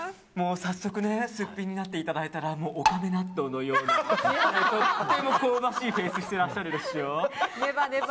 早速すっぴんになっていただいたらおかめ納豆のようなとても香ばしいフェースしてらっしゃるでしょ。